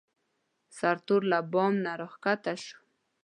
سرتوره له بام نه راکښته شوه.